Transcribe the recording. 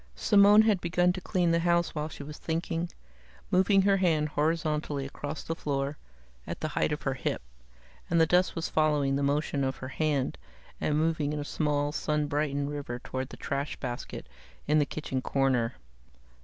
Simone had begun to clean the house while she was thinking, moving her hand horizontally across the floor, at the height of her hip, and the dust was following the motion of her hand and moving in a small, sun brightened river toward the trash basket in the kitchen corner.